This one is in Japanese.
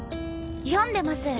読んでます。